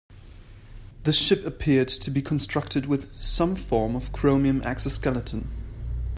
The ship appeared to be constructed with some form of chromium exoskeleton.